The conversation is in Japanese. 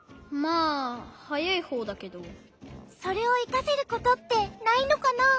それをいかせることってないのかな？